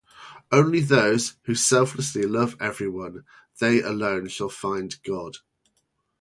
"Only those who selflessly love everyone, they alone shall find God".